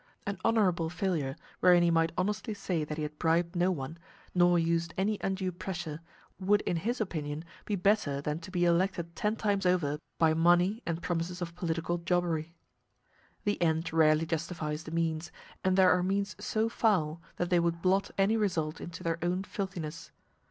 An honorable failure, wherein he might honestly say that he had bribed no one, nor used any undue pressure, would in his opinion be better than to be elected ten times over by money and promises of political jobbery. The end rarely justifies the means, and there are means so foul that they would blot any result into their own filthiness.